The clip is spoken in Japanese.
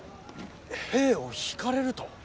兵を引かれると。